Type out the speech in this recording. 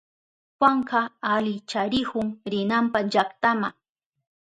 Juanka alicharihun rinanpa llaktama.